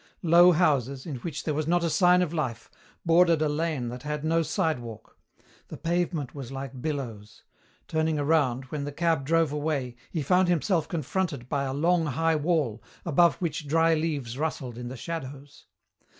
Low houses, in which there was not a sign of life, bordered a lane that had no sidewalk. The pavement was like billows. Turning around, when the cab drove away, he found himself confronted by a long high wall above which dry leaves rustled in the shadows.